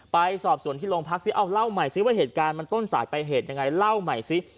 ไปสอบส่วนที่โรงพักสิเอ้าเล่าใหม่ซิว่าเหตุการณ์มันต้นสายไปเหตุยังไงเล่าใหม่ซิ